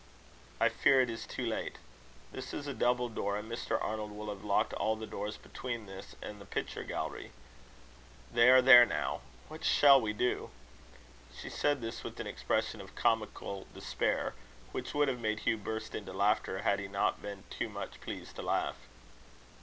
"I fear it is too late. This is a double door, and Mr. Arnold will have locked all the doors between this and the picture gallery. They are there now. What shall we do?" She said this with an expression of comical despair, which would have made Hugh burst into laughter, had he not been too much pleased to laugh.